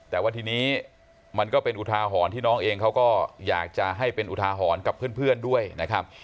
แต่ว่าทีนี้มันก็เป็นอุทาหรณ์ที่น้องเองเขาก็อยากจะให้เป็นอุทาหรณ์กับเพื่อนด้วยนะครับ